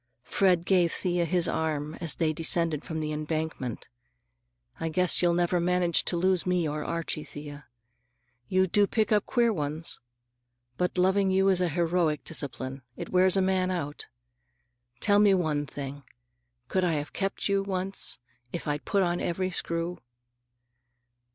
Fred gave Thea his arm as they descended from the embankment. "I guess you'll never manage to lose me or Archie, Thea. You do pick up queer ones. But loving you is a heroic discipline. It wears a man out. Tell me one thing: could I have kept you, once, if I'd put on every screw?"